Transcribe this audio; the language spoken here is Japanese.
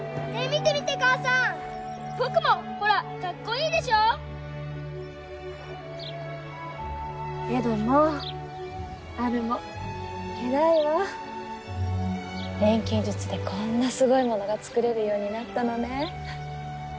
見て見て母さん僕もほらかっこいいでしょエドもアルも偉いわ錬金術でこんなすごいものがつくれるようになったのね